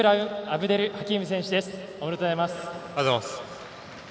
おめでとうございます。